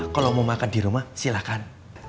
kalau mau makan di rumah silahkan